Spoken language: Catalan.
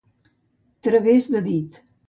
Través de dit.